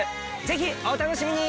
ぜひお楽しみに！